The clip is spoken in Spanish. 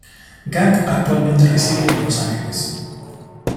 Gant actualmente reside en Los Ángeles.